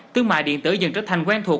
thương mại điện tử dần trở thành quen thuộc